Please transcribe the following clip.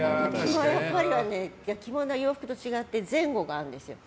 こればっかりは着物は洋服と違って前後があるんですよ。